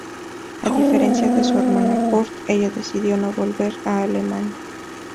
A diferencia de su hermano Curt, ella decidió no volver a Alemania.